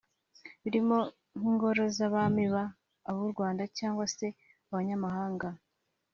birimo nk’ingoro z’abami baba ab’u Rwanda cyangwa se abanyamahanga